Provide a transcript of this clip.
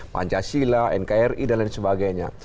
pancasila nkri dan lain sebagainya